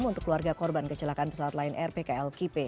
untuk keluarga korban kecelakaan pesawat lain rpkl kipe